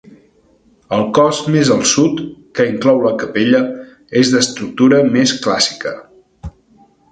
El cos més al sud, que inclou la capella, és d'estructura més clàssica.